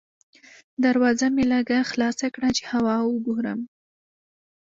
دروازه مې لږه خلاصه کړه چې هوا وګورم.